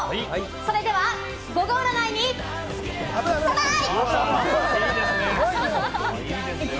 それではゴゴ占いにトライ！